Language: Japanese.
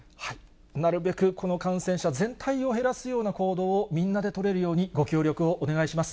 なるべくこの感染者全体を減らすような行動を、みんなで取れるように、ご協力をお願いします。